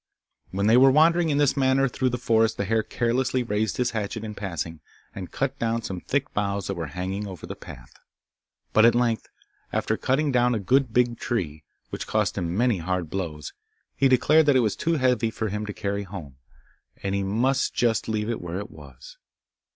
When they were wandering in this manner through the forest the hare carelessly raised his hatchet in passing, and cut down some thick boughs that were hanging over the path, but at length, after cutting down a good big tree, which cost him many hard blows, he declared that it was too heavy for him to carry home, and he must just leave it where it was.